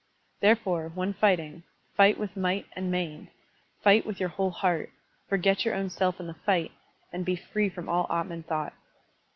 Therefore, when fighting, fight with might and main, fight with your whole heart, forget your own self in the fight, and be free from all atman thought.